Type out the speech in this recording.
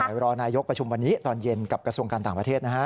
เดี๋ยวรอนายกประชุมวันนี้ตอนเย็นกับกระทรวงการต่างประเทศนะฮะ